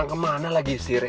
aku akan mulai cari chandra